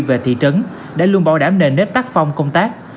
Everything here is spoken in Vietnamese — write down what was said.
về thị trấn đã luôn bảo đảm nền nét tác phong công tác